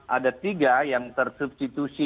ada tiga yang tersubstitusi